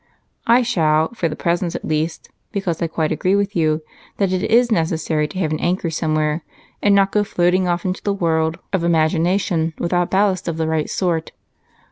"I shall, for the present at least, because I quite agree with you that it is necessary to have an anchor somewhere and not go floating off into the world of imagination without ballast of the right sort.